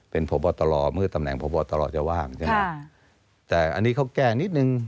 เป็นพบตรเมื่อตำแหนพบตรจะว่างใช่ไหมแต่อันนี้เขาแก้นิดนึง